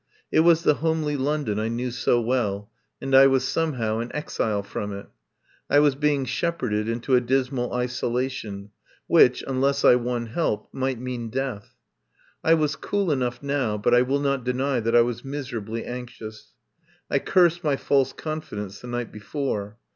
It was the homely London I knew so well, and I was somehow an exile from it. I was being shepherded into a dismal isolation, which, unless I won help, might mean death. I was cool enough now, but I will not deny that I was miserably anxious. I cursed my false confidence the night before.